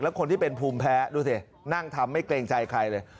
คนที่เป็นภูมิแพ้ดูสินั่งทำไม่เกรงใจใครเลย